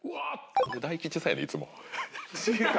大吉さんやねいつも。